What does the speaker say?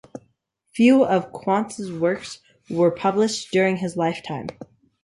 Few of Quantz's works were published during his lifetime.